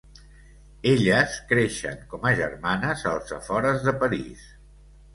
Elles creixen com a germanes als afores de París.